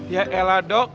ya elah dok